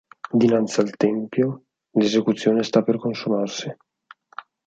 Dinanzi al tempio, l'esecuzione sta per consumarsi.